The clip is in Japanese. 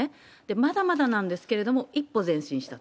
まだまだなんですけれども、一歩前進したと。